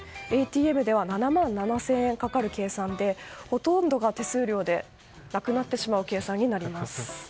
ＡＴＭでは７万７０００円かかる計算でほとんどが手数料でなくなってしまう計算になります。